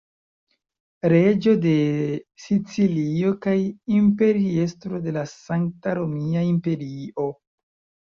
Reĝo de Sicilio kaj imperiestro de la Sankta Romia Imperio.